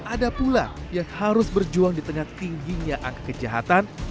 ada pula yang harus berjuang di tengah tingginya angka kejahatan